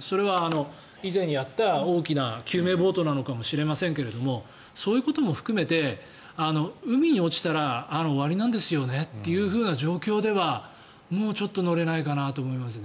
それは以前やった大きな救命ボートなのかもしれませんがそういうことも含めて海に落ちたら終わりなんですよねという状況ではもうちょっと乗れないかなと思いますね。